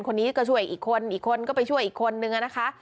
คนนี้ก็ช่วยอีกคนอีกคนก็ไปช่วยอีกคนนึงนะคะ